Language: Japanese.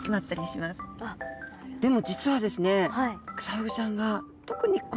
でも実はですねえっ！